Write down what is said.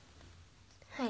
はい。